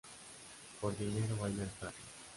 Por dinero baila el perro